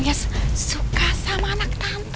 hanya suka sama anak tante